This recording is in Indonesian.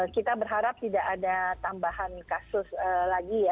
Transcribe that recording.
kita berharap tidak ada tambahan kasus lagi ya